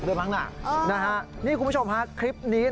เท่าไหร่